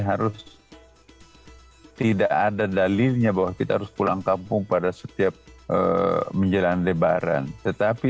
harus tidak ada dalilnya bahwa kita harus pulang kampung pada setiap menjelang lebaran tetapi